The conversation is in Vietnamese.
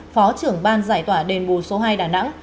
phó trưởng ban giải tỏa đền bù số hai đà nẵng